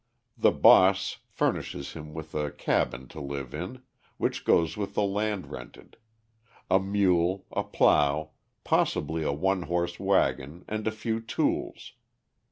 The "boss" furnishes him with a cabin to live in which goes with the land rented a mule, a plough, possibly a one horse waggon and a few tools.